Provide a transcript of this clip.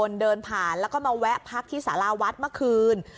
เดินผ่านแล้วก็มาแวะพักที่สาราวัดเมื่อคืน